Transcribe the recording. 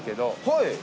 はい。